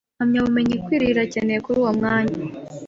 Impamyabumenyi ikwiye irakenewe kuri uwo mwanya.